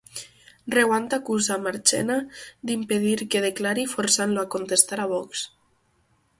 Reguant acusa Marchena d'impedir que declari forçant-lo a contestar a Vox.